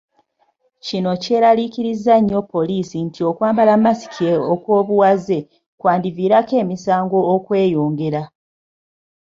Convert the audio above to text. Kino kyeraliikirizza nnyo poliisi nti okwambala masiki okw'obuwaze kwandiviirako emisango okweyongera.